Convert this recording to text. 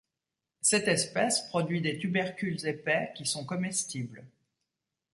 Cette espèce produit des tubercules épais qui sont comestible.